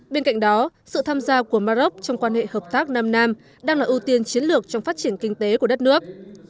bên cạnh đó sự tham gia của maroc trong quan hệ hợp tác nam nam đang là ưu tiên chiến lược trong phát triển kinh tế của đất nước